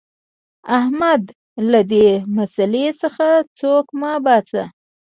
احمده! له دې مسئلې څخه سوک مه باسه.